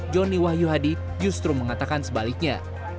joni wahyu hadi justru mengatakan sebaliknya